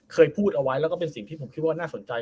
เคยพูดเอาไว้แล้วก็เป็นสิ่งที่ผมคิดว่าน่าสนใจ